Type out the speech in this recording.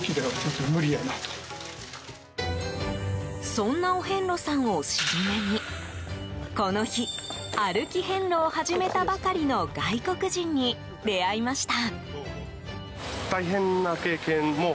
そんなお遍路さんを尻目にこの日歩き遍路を始めたばかりの外国人に出会いました。